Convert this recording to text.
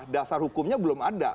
dasar hukumnya belum ada